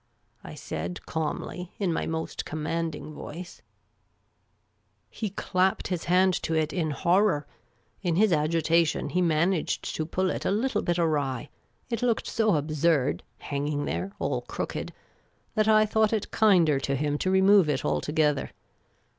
" I said, calmly, in my most commanding voice. 1 THOUGHT IT KINDER TO HIM TO REMOVE IT ALT0«;E IHIiK. He clapped his hand \o it in horror. In his agitation, he managed to pull it a little bit awr^ . It looked so absurd, hanging there, all crooked, that I thought it kinder to him to remove it altogether.